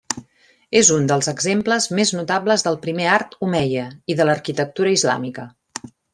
És un dels exemples més notables del primer art omeia i de l'arquitectura islàmica.